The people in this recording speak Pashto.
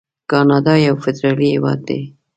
کاناډا یو فدرالي هیواد دی.